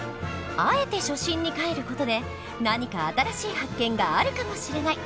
あえて初心にかえる事で何か新しい発見があるかもしれない！